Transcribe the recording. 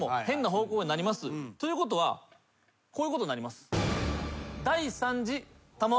ということはこういうことになります。